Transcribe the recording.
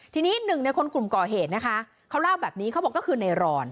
ทีนี้หนึ่งในคนกลุ่มก่อเหตุนะคะเขาเล่าแบบนี้เขาบอกก็คือในรอน